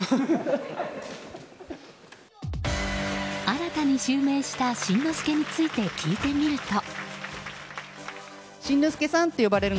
新たに襲名した新之助について聞いてみると。